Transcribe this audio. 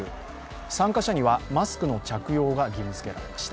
参加者にはマスクの着用が義務付けられました。